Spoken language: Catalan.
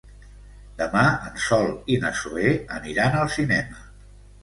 Demà en Sol i na Zoè aniran al cinema.